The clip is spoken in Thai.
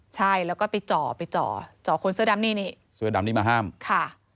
ใช่แล้วก็ไปจ่อไปจ่อจ่อคนเสื้อดำนี่นี่เสื้อดำนี้มาห้ามค่ะ